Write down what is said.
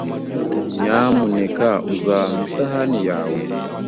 Nyamuneka uzampa isahani yawe?